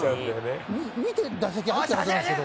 見て打席に入ってるはずなんですけど。